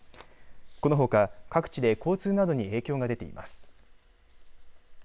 このほか、各地で交通などに影響が出ています。